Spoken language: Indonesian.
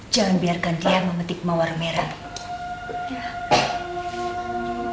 jangan biarkan dia memetik mawar merah